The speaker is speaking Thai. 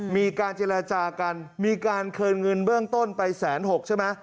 มือการจรรยาจากันมีการเคินเงินเบื้องต้นไปแสนหกใช่ไหม